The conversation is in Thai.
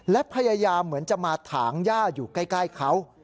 และพยายามเหมือนจะมาถางย่าอยู่ใกล้เขา